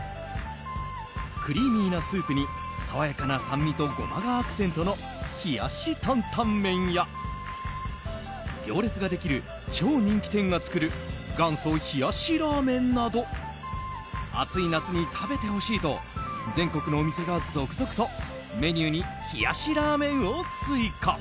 クリーミーなスープに爽やかな酸味とゴマがアクセントの冷やしタンタン麺や行列ができる超人気店が作る元祖冷やしラーメンなど暑い夏に食べてほしいと全国のお店が続々とメニューに冷やしラーメンを追加。